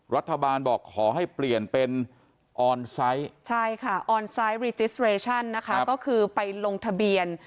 รัฐบาลบอกขอให้เปลี่ยนเป็นใช่ค่ะนะคะก็คือไปลงทะเบียน